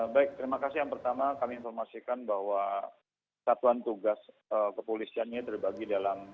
baik terima kasih yang pertama kami informasikan bahwa satuan tugas kepolisiannya terbagi dalam